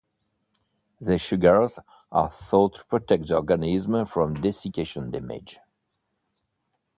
These sugars are thought to protect the organism from desiccation damage.